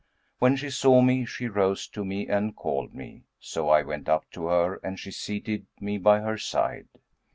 When she saw me she rose to me and called me; so I went up to her and she seated me by her side.